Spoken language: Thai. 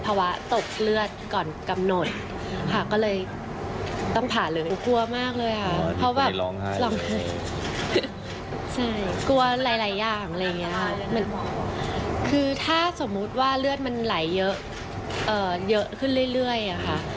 เพราะแบบกลัวหลายอย่างคือถ้าสมมติว่าเลือดมันไหลเยอะขึ้นเรื่อยค่ะ